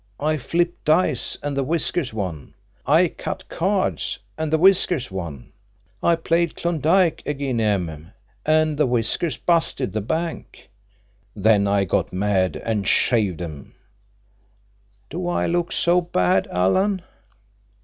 I flipped dice, an' the whiskers won. I cut cards, an' the whiskers won. I played Klondike ag'in' 'em, an' the whiskers busted the bank. Then I got mad an' shaved 'em. Do I look so bad, Alan?"